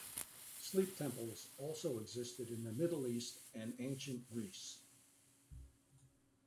Sleep temples also existed in the Middle East and Ancient Greece.